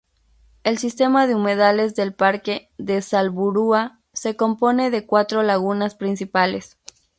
El sistema de humedales del parque de Salburua se compone de cuatro lagunas principales.